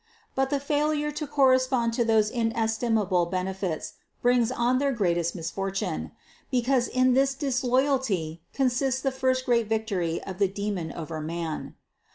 But the failure to correspond to those inestimable benefits brings on their greatest misfortune, because in this disloyalty consists the first great victory of the demon over man.